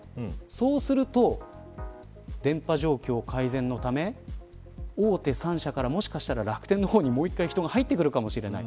そうすると電波状況改善のため大手３社から、もしかしたら楽天の方に、もう一度人が入ってくるかもしれない。